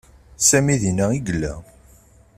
Sami dinna i yella.